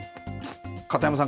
片山さん